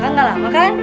kakak gak lama kan